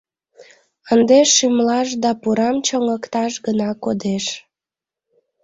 Ынде шӱмлаш да пурам чоҥыкташ гына кодеш.